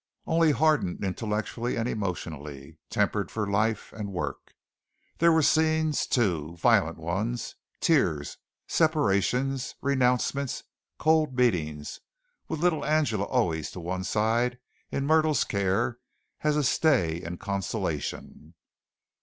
Only hardened intellectually and emotionally tempered for life and work. There were scenes, too, violent ones, tears, separations, renouncements, cold meetings with little Angela always to one side in Myrtle's care as a stay and consolation.